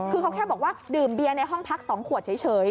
คือเขาแค่บอกว่าดื่มเบียร์ในห้องพัก๒ขวดเฉย